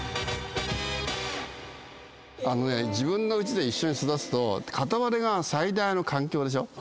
自分のうちで一緒に育つと片割れが最大の環境でしょ。